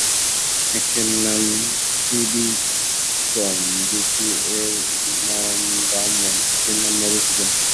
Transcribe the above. একের নাম ত্রিবিক্রম, দ্বিতীয়ের নাম বামন, তৃতীয়ের নাম মধুসূদন।